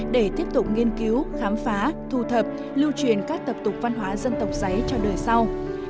để tiếp tục nghiên cứu khám phá thu thập lưu truyền các tập tục văn hóa dân tộc giấy cho đời sau